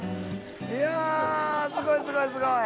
いやすごいすごいすごい！